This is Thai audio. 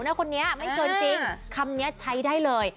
คนนี้ไม่เกินจริงคำนี้ใช้ได้เลย